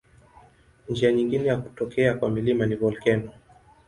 Njia nyingine ya kutokea kwa milima ni volkeno.